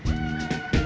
gak bisa terserah bang